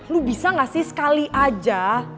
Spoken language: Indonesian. lo bisa nggak sih sekali aja